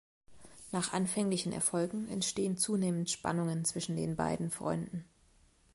Nach anfänglichen Erfolgen entstehen zunehmend Spannungen zwischen den beiden Freunden.